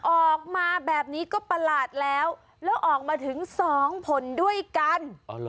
ออกมาแบบนี้ก็ประหลาดแล้วแล้วออกมาถึง๒ผลด้วยกัน